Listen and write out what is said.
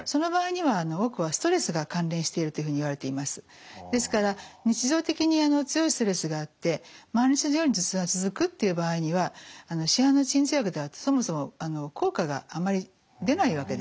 しかしですから日常的に強いストレスがあって毎日のように頭痛が続くっていう場合には市販の鎮痛薬ではそもそも効果があまり出ないわけですね。